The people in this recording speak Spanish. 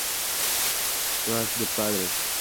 Toast The Padres!